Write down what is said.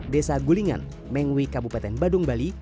desa gulingan mengwi kabupaten badung bali